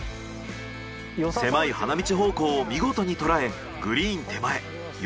狭い花道方向を見事にとらえグリーン手前。